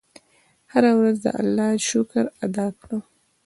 هره ورځ د الله شکر ادا کړه.